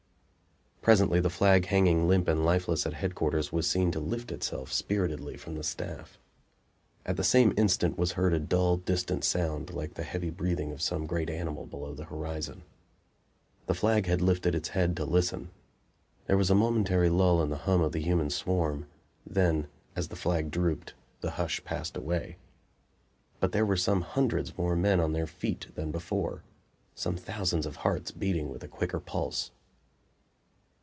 Presently the flag hanging limp and lifeless at headquarters was seen to lift itself spiritedly from the staff. At the same instant was heard a dull, distant sound like the heavy breathing of some great animal below the horizon. The flag had lifted its head to listen. There was a momentary lull in the hum of the human swarm; then, as the flag drooped the hush passed away. But there were some hundreds more men on their feet than before; some thousands of hearts beating with a quicker pulse.